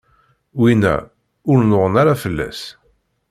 winna, ur nnuɣen ara fell-as.